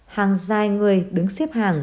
hàng dài người đứng xếp hàng